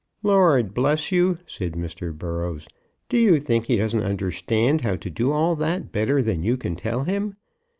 "Lord bless you!" said Mr. Burrows. "Do you think he doesn't understand how to do all that better than you can tell him?